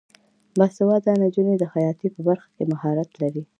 باسواده نجونې د خیاطۍ په برخه کې مهارت لري.